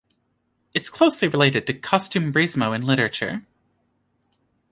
It's closely related to costumbrismo in literature.